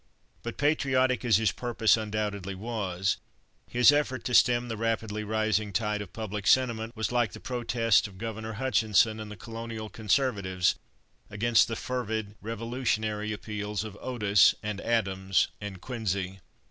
But patriotic as his purpose undoubtedly was, his effort to stem the rapidly rising tide of public sentiment was like the protests of Governor Hutchinson and the Colonial conservatives against the fervid revolutionary appeals of Otis and Adams and Quincy.